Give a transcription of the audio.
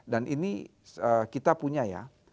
dan ini kita punya ya